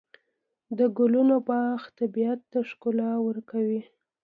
د ګلونو باغ طبیعت ته ښکلا ورکوي.